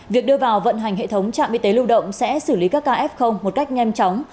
việc đưa vào vận hành hệ thống trạm y tế lưu động sẽ xử lý các ca f một cách nhanh chóng